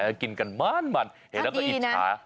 มันกลิ่นกันหม้านมันเห็นแล้วมันอิจฉา